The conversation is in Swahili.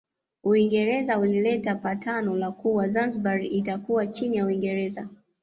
Uingereza ulileta patano la kuwa Zanzibar itakuwa chini ya Uingereza